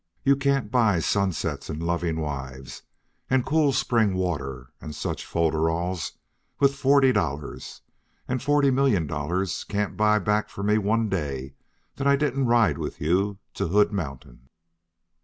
You can't buy sunsets, and loving wives, and cool spring water, and such folderols, with forty dollars; and forty million dollars can't buy back for me one day that I didn't ride with you to Hood Mountain."